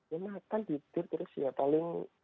ya makan tidur terus ya paling